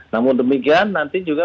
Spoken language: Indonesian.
namun demikian nanti juga